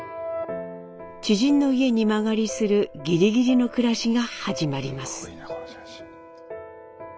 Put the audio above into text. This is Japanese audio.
知人の家に間借りするギリギリの暮らしが始まります。